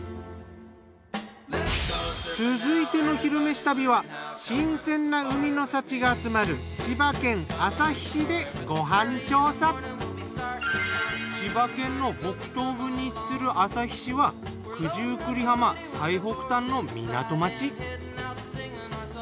続いての「昼めし旅」は千葉県の北東部に位置する旭市は九十九里浜最北端の港町。